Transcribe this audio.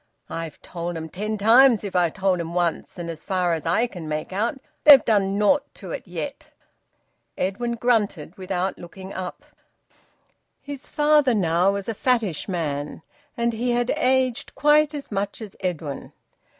I've told 'em ten times if I've told 'em once, but as far as I can make out, they've done naught to it yet." Edwin grunted without looking up. His father was now a fattish man, and he had aged quite as much as Edwin.